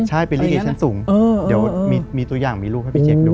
เดี๋ยวมีตัวอย่างมือรูปให้พี่เจ้งดู